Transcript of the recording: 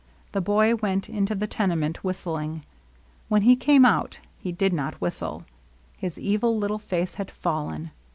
The boy went into the tenement, whistling. When he came out he did not whistle. His evil little face had fallen.